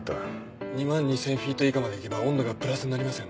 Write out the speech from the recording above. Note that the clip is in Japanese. ２万２，０００フィート以下までいけば温度がプラスになりますよね。